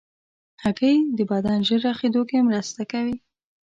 هګۍ د بدن ژر رغېدو کې مرسته کوي.